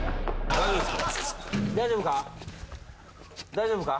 大丈夫か？